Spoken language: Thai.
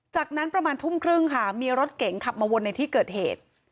จากนั้นประมาณทุ่มครึ่งค่ะมีรถเก๋งขับมาวนในที่เกิดเหตุ